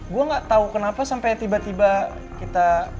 gue gak tau kenapa sampai tiba tiba kita